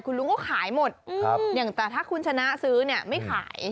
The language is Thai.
คุณลุงก็ขายหมดอย่างแต่ถ้าคุณชนะซื้อเนี่ยไม่ขาย